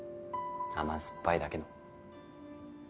甘酸っぱいだけの。